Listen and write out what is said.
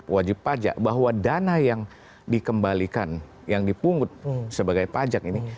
wajib pajak bahwa dana yang dikembalikan yang dipungut sebagai pajak ini